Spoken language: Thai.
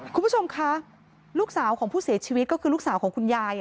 คุณผู้ชมคะลูกสาวของผู้เสียชีวิตก็คือลูกสาวของคุณยาย